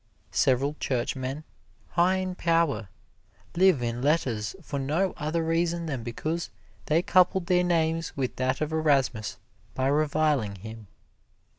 Several Churchmen, high in power, live in letters for no other reason than because they coupled their names with that of Erasmus by reviling him.